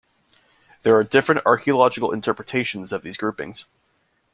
There are different archaeological interpretations of these groupings.